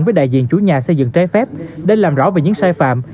với đại diện chủ nhà xây dựng trái phép để làm rõ về những sai phạm